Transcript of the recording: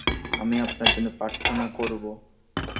আমি আপনার জন্য প্রার্থনা করবো।